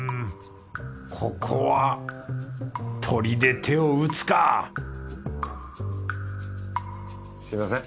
ここは鶏で手を打つか！すみません。